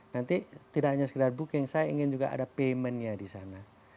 nanti tidak hanya sekedar booking saya ingin juga ada payment nya di sana